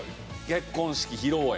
結婚式披露宴。